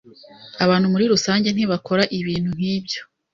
Abantu muri rusange ntibakora ibintu nkibyo.